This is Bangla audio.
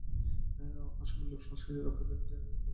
অসমের লোক-সংস্কৃতি রক্ষার ক্ষেত্রে তিনি আজীবন অশেষ চেষ্টা করেছেন।